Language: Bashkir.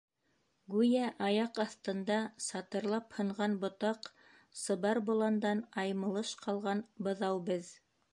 Гүйә аяҡ аҫтында сатырлап һынған ботаҡ, сыбар боландан аймылыш ҡалған быҙау беҙ.